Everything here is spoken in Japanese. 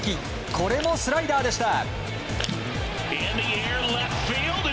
これもスライダーでした。